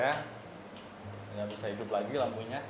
tidak bisa hidup lagi lampunya